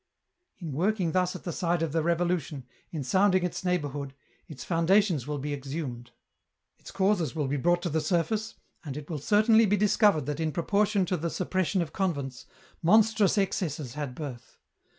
" In working thus at the side of the Revolution, in sound ing its neighbourhood, its foundations will be exhumed. 302 EN ROUTE. Its causes will be brought to the surface, and it will certainly be discovered that in proportion to the sup pression of convents, monstrous excesses had birth.